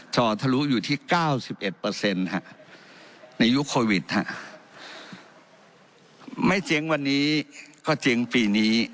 จอทะลุอยู่ที่๙๑ในยุคโควิดฮะไม่เจ๊งวันนี้ก็เจ๊งปีนี้